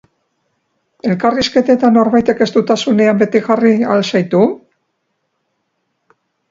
Elkarrizketetan norbaitek estuasunen batean jarri al zaitu?